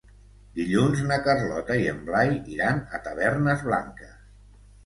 Dilluns na Carlota i en Blai iran a Tavernes Blanques.